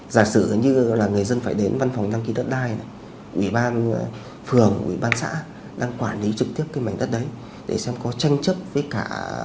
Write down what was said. giả sử như là người dân phải đến văn phòng đăng ký đất đai này ủy ban phường ủy ban xã đang quản lý trực tiếp cái mảnh đất đấy để xem có tranh chấp với cả